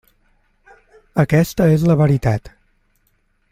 Aquesta és la veritat.